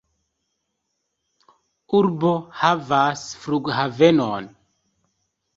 La urbo havas flughavenon.